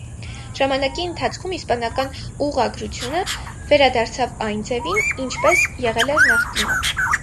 Ժամանակի ընթացքում, իսպանական ուղղագրությունը վերադարձավ այն ձևին, ինչպես եղել էր նախկինում։